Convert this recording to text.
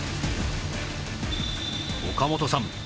岡本さん